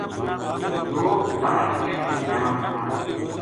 لوک بر اپنی اپنی جا ما تھا